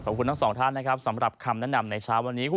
ขอบคุณทั้งสองท่านนะครับสำหรับคำแนะนำในเช้าวันนี้